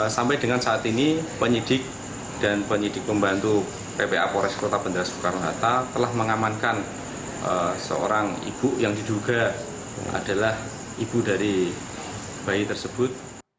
sampai dengan saat ini penyidik dan penyidik pembantu ppa pores kota bandara soekarno hatta telah mengamankan seorang ibu yang diduga adalah ibu dari bayi tersebut